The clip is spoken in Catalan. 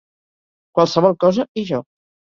Qualsevol cosa i jo.